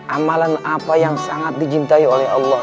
amalan apa yang sangat di cintai oleh allah